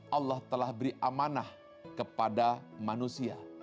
allah telah beri amanah kepada manusia